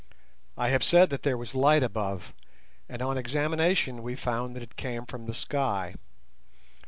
I have said that there was light above, and on examination we found that it came from the sky.